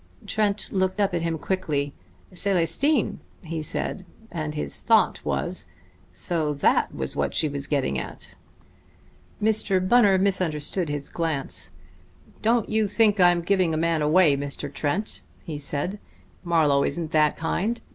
Trent looked up at him quickly. "Célestine!" he said; and his thought was: "So that was what she was getting at!" Mr. Bunner misunderstood his glance. "Don't you think I'm giving a man away, Mr. Trent," he said. "Marlowe isn't that kind.